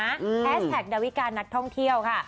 แฮชแท็กดาวิกานักท่องเที่ยวค่ะ